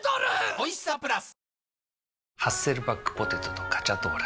おいしさプラス